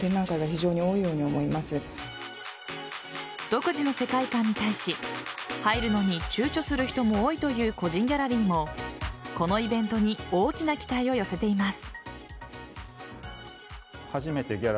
独自の世界観に対し入るのにちゅうちょする人も多いという個人ギャラリーもこのイベントに大きな期待を寄せています。